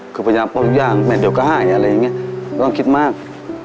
คุณพยายามปลอดภัยอย่างแบบเดียวก็ให้ไม่ต้องคิดมาก